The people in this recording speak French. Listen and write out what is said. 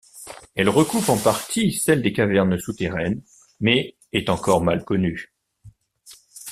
Elle recoupe en partie celle des cavernes souterraines, mais est encore mal connue.